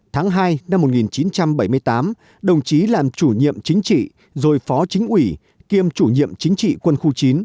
tháng hai năm một nghìn chín trăm bảy mươi tám đồng chí làm chủ nhiệm chính trị rồi phó chính ủy kiêm chủ nhiệm chính trị quân khu chín